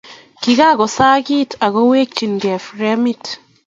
Kikakosakiit ak koweechkei fremit.